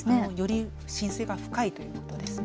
より浸水が深いということです。